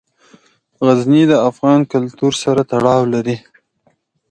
غزني د افغان کلتور سره تړاو لري.